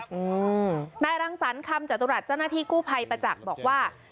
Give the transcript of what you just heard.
อืมนายรังสรรคำจตุรัสเจ้าหน้าที่กู้ภัยประจักษ์บอกว่า